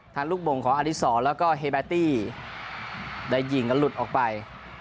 ทางลูกบ่งของอดิสรแล้วก็เฮบแอตตี้ได้ยิงแล้วหลุดออกไป